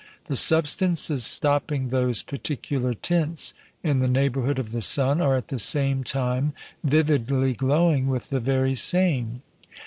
The substances stopping those particular tints in the neighbourhood of the sun are at the same time vividly glowing with the very same.